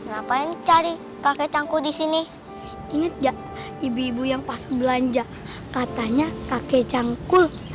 kakak kakek canggul di sini inget gak ibu ibu yang pas belanja katanya kakek canggul